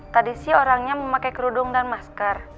tadi sih orangnya memakai kerudung dan masker